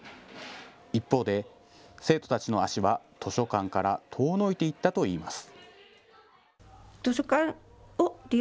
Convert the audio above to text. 一方で生徒たちの足は図書館から遠のいていったといいます。